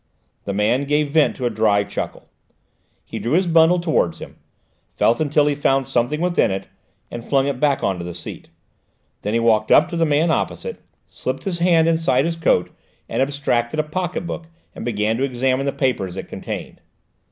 The man gave vent to a dry chuckle. He drew his bundle towards him, felt until he found something within it, and flung it back on to the seat. Then he walked up to the man opposite him, slipped his hand inside his coat and abstracted a pocket book and began to examine the papers it contained.